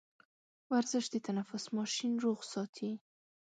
ورزش د تنفس ماشين روغ ساتي.